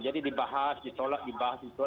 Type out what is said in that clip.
jadi dibahas ditolak dibahas ditolak